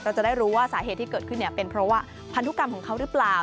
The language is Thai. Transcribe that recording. จะได้รู้ว่าสาเหตุที่เกิดขึ้นเป็นเพราะว่าพันธุกรรมของเขาหรือเปล่า